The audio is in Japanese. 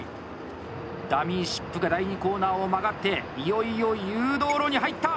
ダミーシップが第２コーナーを曲がっていよいよ誘導路に入った！